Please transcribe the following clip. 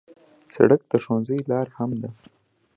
سړک د ښوونځي لار هم ده.